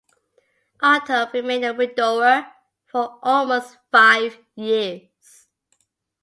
Otto remained a widower for almost five years.